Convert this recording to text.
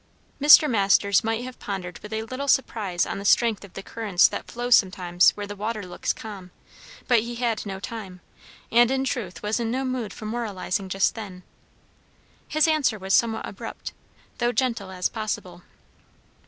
Mr. Masters might have pondered with a little surprise on the strength of the currents that flow sometimes where the water looks calm; but he had no time, and in truth was in no mood for moralizing just then. His answer was somewhat abrupt, though gentle as possible.